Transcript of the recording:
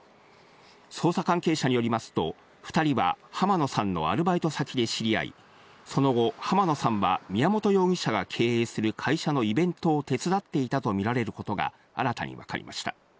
捜査関係者によりますと、２人は浜野さんのアルバイト先で知り合い、その後、浜野さんは宮本容疑者が経営する会社のイベントを手伝っていたとみられることが新たに分かりました。